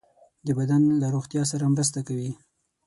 د بدن له روغتیا سره مرسته کوي.